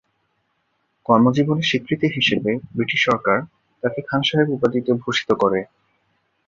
কর্মজীবনের স্বীকৃতি হিসেবে ব্রিটিশ সরকার তাকে খান সাহেব উপাধিতে ভূষিত করে।